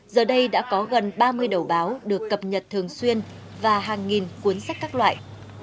giờ đây đã có gần ba mươi đầu báo được cập nhật thường xuyên và hàng nghìn cuốn sách các loại